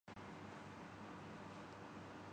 اس سے بڑی سزا بے وقوفی کی بنتی ہے۔